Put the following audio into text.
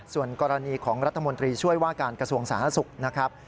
ส่วนกรณีของรัฐมนตรีช่วยว่าการกระทรวงสาธารณสุขนะครับ